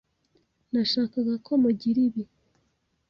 Nashakaga ko mugira ibi.